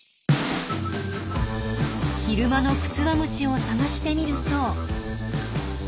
昼間のクツワムシを探してみると。